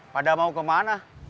padahal mau kemana